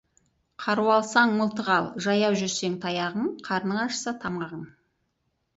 Қару алсаң, мылтық ал, жаяу жүрсең — таяғың, қарның ашса — тамағың.